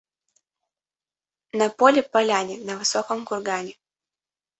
На поле — поляне, на высоком кургане.